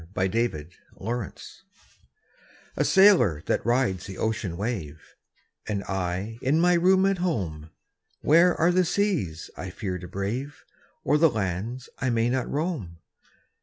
THE SAILOR A sailor that rides the ocean wave, Am I in my room at home : Where are the seas I iear to brave. Or the lands I may not roam?